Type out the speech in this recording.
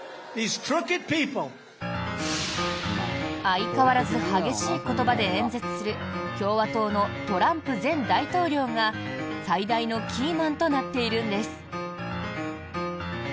相変わらず激しい言葉で演説する共和党のトランプ前大統領が最大のキーマンとなっているんです。